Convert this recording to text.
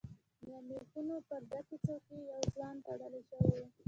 له ميخونو پر ډکې څوکی يو ځوان تړل شوی و.